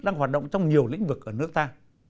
đang hoạt động trong nhiều lĩnh vực ở nước ta